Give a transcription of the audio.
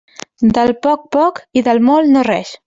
Del poc, poc, i del molt, no res.